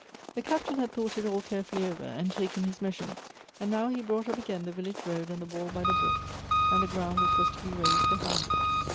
The Captain had thought it all carefully over, and taken his measurements ; and now he brought up again the vil lage road and the wall by the brook, and the ground which was to be raised behind it.